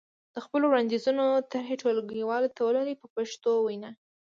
د خپلو وړاندیزونو طرحې ټولګیوالو ته ولولئ په پښتو وینا.